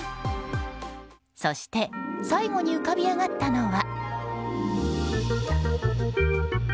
そして最後に浮かび上がったのは。